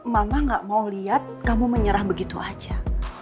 mama gak mau liat kamu menyerah begitu aja